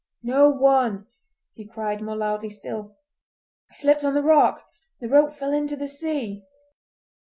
"No one," he cried, more loudly still. "I slipped on the rock, and the rope fell into the sea!"